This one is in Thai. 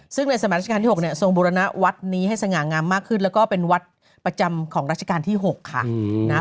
ซึ่งในสมัยราชการที่๖เนี่ยทรงบุรณะวัดนี้ให้สง่างามมากขึ้นแล้วก็เป็นวัดประจำของรัชกาลที่๖ค่ะนะ